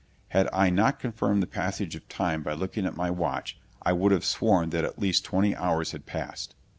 Had I not confirmed the passage of time by looking at my watch, I would have sworn that at least twenty hours had passed.